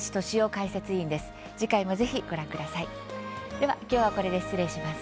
では今日はこれで失礼します。